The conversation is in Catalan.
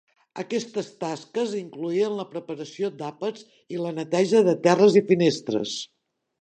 Aquestes tasques incloïen la preparació d'àpats i la neteja de terres i finestres.